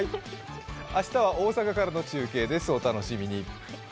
明日は大阪からの中継です、お楽しみに！